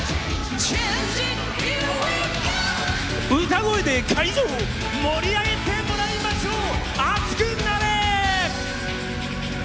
歌声で会場を盛り上げてもらいましょう！